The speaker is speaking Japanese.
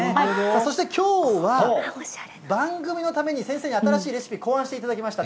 そしてきょうは、番組のために先生に新しいレシピ、考案していただきました。